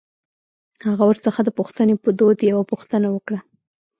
هغه ورڅخه د پوښتنې په دود يوه پوښتنه وکړه.